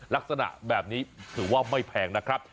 ลักษณะแบบนี้ถือว่าไม่แพงนะครับ